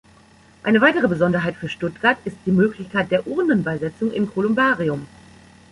Eine weitere Besonderheit für Stuttgart ist die Möglichkeit der Urnenbeisetzung im Kolumbarium.